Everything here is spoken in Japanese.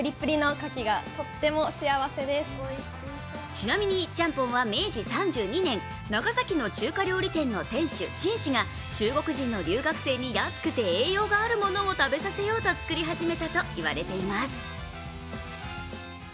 ちなみにちゃんぽんは明治３２年、長崎の中華料理店の店主、陳氏が中国人の留学生に安くて栄養があるものを食べさせようと作り始めたといわれています。